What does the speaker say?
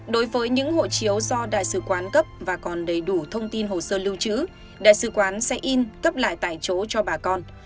đối với những hộ chiếu do đại sứ quán cấp và còn đầy đủ thông tin hồ sơ lưu trữ đại sứ quán sẽ in cấp lại tại chỗ cho bà con